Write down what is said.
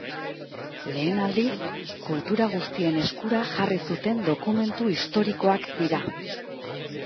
Lehen aldiz, kultura guztien eskura jarri zuten dokumentu historikoak dira.